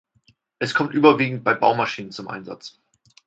Es kommt überwiegend bei Baumaschinen zum Einsatz.